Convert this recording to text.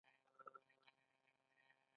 د ماشوم د هډوکو لپاره د شیدو محصولات ورکړئ